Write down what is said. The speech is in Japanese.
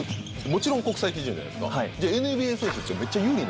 もちろん国際基準じゃないですか。